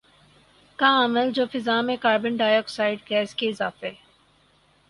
کا عمل جو فضا میں کاربن ڈائی آکسائیڈ گیس کے اضافے